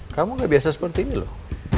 kamu gak biasa seperti ini loh